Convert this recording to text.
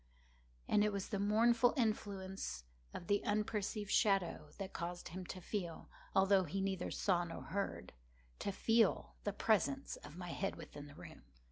And it was the mournful influence of the unperceived shadow that caused him to feel—although he neither saw nor heard—to feel the presence of my head within the room.